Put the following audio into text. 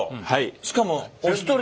しかもお一人で？